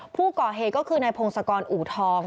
ผู้ก่อเหตุก็คือนายพงศกรอูทอง